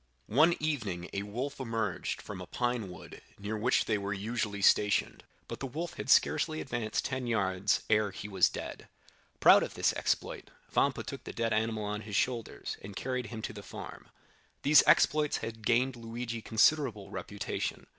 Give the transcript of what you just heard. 20107m "One evening a wolf emerged from a pine wood near which they were usually stationed, but the wolf had scarcely advanced ten yards ere he was dead. Proud of this exploit, Vampa took the dead animal on his shoulders, and carried him to the farm. These exploits had gained Luigi considerable reputation.